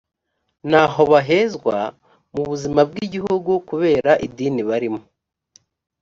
ntaho bahezwa mu buzima bw igihugu kubera idini barimo